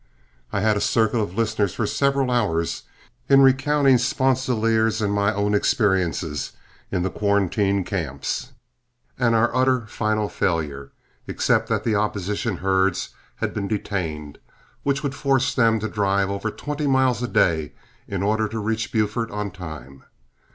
I held a circle of listeners for several hours, in recounting Sponsilier's and my own experiences in the quarantine camps, and our utter final failure, except that the opposition herds had been detained, which would force them to drive over twenty miles a day in order to reach Buford on time.